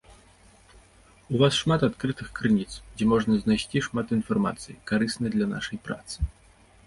У вас шмат адкрытых крыніц, дзе можна знайсці шмат інфармацыі, карыснай для нашай працы.